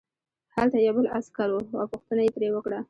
هلته یو بل عسکر و او پوښتنه یې ترې وکړه